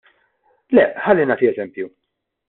Le, ħalli nagħti eżempju.